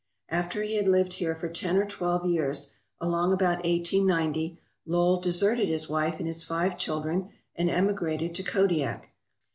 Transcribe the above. After he had lived here for ten or twelve years, along about 1 890, Lowell deserted his wife and his five children and emigrated to Kodiak.